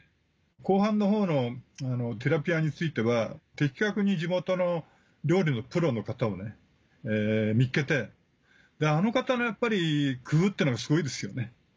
後半のほうのティラピアについては的確に地元の料理のプロの方を見つけてあの方の工夫っていうのがすごいですよね。